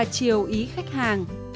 chiều ý khách hàng